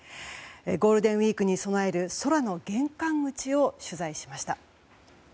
ゴールデンウィークに備える空の玄関口を取材しました。